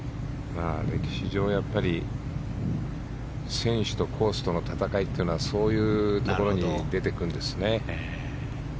歴史上、やっぱり選手とコースとの戦いというのはそういうところに出てくるんですね。